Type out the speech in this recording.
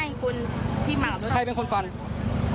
วิ่งไปทางไหนแต่งกายยังไง